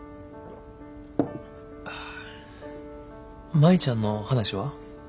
舞ちゃんの話は？